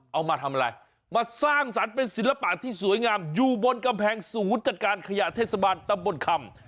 เอามาทำอะไรมาสร้างสรรค์เป็นศิลปะที่สวยงามอยู่บนกำแพงศูนย์จัดการขยะเทศบาลตำบลคำ